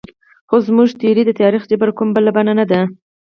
خو زموږ تیوري د تاریخ جبر کومه بله بڼه نه ده.